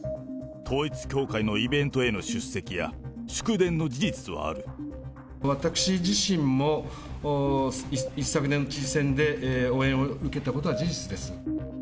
統一教会のイベントへの出席や、私自身も、一昨年の知事選で応援を受けたことは事実です。